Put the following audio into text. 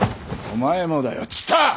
お前もだよ蔦！